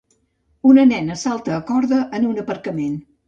Una nena salta a corda en un aparcament.